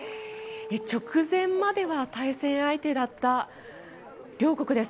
直前までは対戦相手だった両国です。